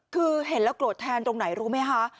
คือเห็นแล้วโกรธแทนตรงไหนรู้ไหมคะ